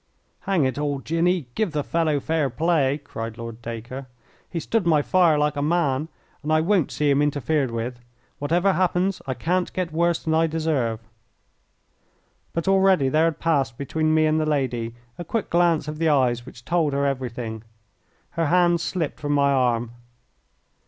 "Hang it all, Jinny, give the fellow fair play," cried Lord Dacre. "He stood my fire like a man, and I won't see him interfered with. Whatever happens I can't get worse than I deserve." But already there had passed between me and the lady a quick glance of the eyes which told her everything. Her hands slipped from my arm.